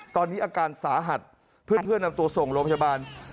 ตอนนี้อาการสาหัสเพื่อนนำตัวส่งโรงพยาบาล